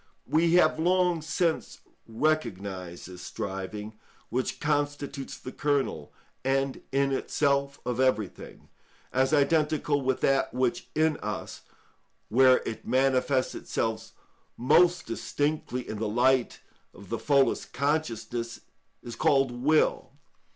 We have long since recognised this striving, which constitutes the kernel and in itself of everything, as identical with that which in us, where it manifests itself most distinctly in the light of the fullest consciousness, is called will.